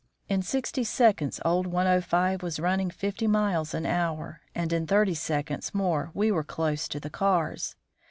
In sixty seconds old 105 was running fifty miles an hour, and in thirty seconds more we were close to the cars.